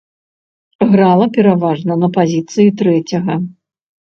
Грала пераважна на пазіцыі трэцяга.